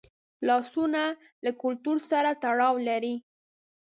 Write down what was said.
لاسونه له کلتور سره تړاو لري